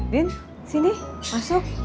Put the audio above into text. din sini masuk